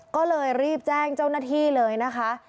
ก็เลยรีบแจ้งเจ้าหน้าที่เลยนะคะ